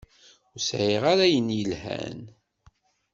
Ur sɛiɣ ara ayen yelhan.